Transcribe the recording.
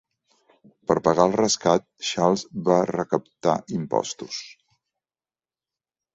Per pagar el rescat, Charles va recaptar impostos.